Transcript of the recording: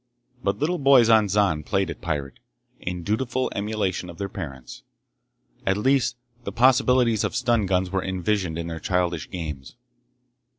But little boys on Zan played at pirate, in dutiful emulation of their parents. At least the possibilities of stun guns were envisioned in their childish games.